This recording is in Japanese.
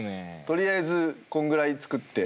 とりあえずこんぐらい作って。